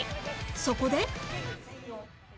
そこで